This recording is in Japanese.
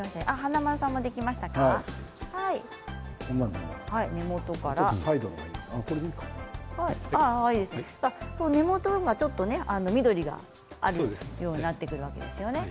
もうちょっとサイドの方が根元がちょっと緑があるようになってくるわけですよね。